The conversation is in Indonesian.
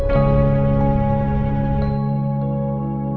gak ada apa apa